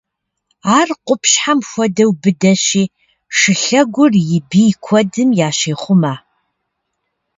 Ар къупщхьэм хуэдэу быдэщи, шылъэгур и бий куэдым ящехъумэ.